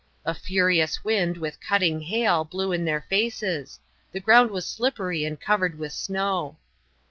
A furious wind, with cutting hail, blew in their faces; the ground was slippery and covered with snow.